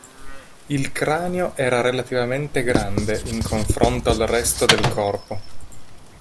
Il cranio era relativamente grande in confronto al resto del corpo.